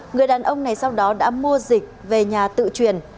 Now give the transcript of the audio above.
người đàn ông này sau đó đã mua dịch về nhà tự truyền